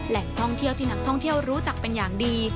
แหล่งท่องเที่ยวที่นักท่องเที่ยวรู้จักเป็นอย่างดี